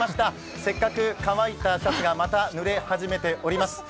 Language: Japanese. せっかく、乾いたシャツがまた、ぬれ始めています。